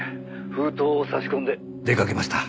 封筒を差し込んで出掛けました」